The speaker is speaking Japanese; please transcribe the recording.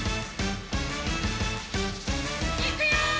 「いくよー！」